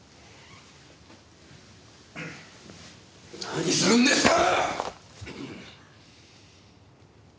何するんですか！？